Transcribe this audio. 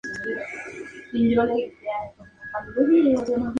Tras su disolución, Tim y Matt formaron Rancid.